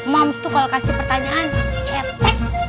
mams tuh kalau kasih pertanyaan cetek